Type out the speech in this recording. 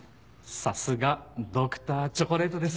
さすがＤｒ．チョコレートです。